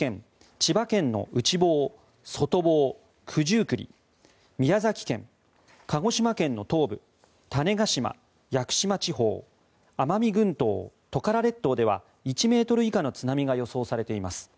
千葉県の内房、外房、九十九里宮崎県、鹿児島県の東部種子島・屋久島地方奄美群島・トカラ列島では１ｍ以下の津波が予想されています。